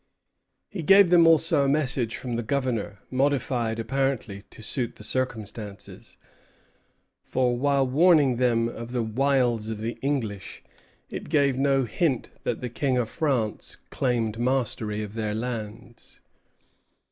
He gave them also a message from the Governor, modified, apparently, to suit the circumstances; for while warning them of the wiles of the English, it gave no hint that the King of France claimed mastery of their lands.